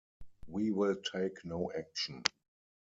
We will take no action.